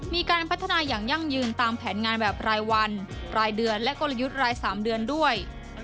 มีการพัฒนาอย่างยั่งยืนตามแผนงานแบบรายวันรายเดือนและกลยุทธ์ราย๓เดือนด้วย